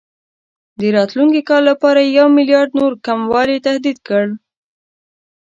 د راتلونکي کال لپاره یې یو میلیارډ نور کموالي تهدید کړ.